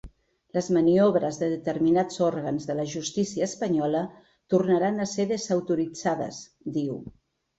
Les maniobres de determinats òrgans de la justícia espanyola tornaran a ser desautoritzades, diu.